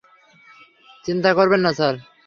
চিন্তা করবেন না, স্যার।